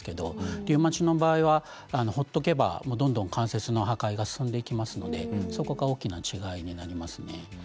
リウマチは放っておけばどんどん関節の破壊が進んでいくのでそこが大きな違いですね。